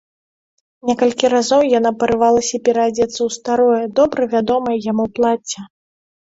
Некалькі разоў яна парывалася пераадзецца ў старое, добра вядомае яму плацце.